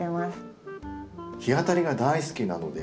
日当たりが大好きなので。